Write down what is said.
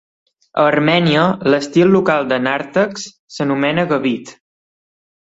A Armènia, l'estil local de nàrtex s'anomena "gavit".